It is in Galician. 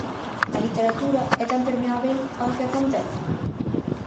A literatura é tan permeábel ao que acontece?